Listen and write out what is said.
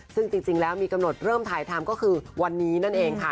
ซึ่งจริงแล้วมีกำหนดเริ่มถ่ายทำก็คือวันนี้นั่นเองค่ะ